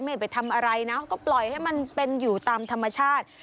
ไม่ไปทำอะไรนะก็ปล่อยให้มันเป็นอยู่ตามธรรมชาติ